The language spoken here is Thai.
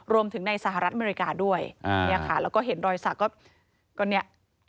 รวมถึงในสหรัฐอเมริกาด้วยแล้วก็เห็นรอยศักดิ์ก็เนี่ย